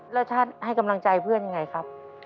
แล้วท่านให้กำลังใจเพื่อนยังไงครับ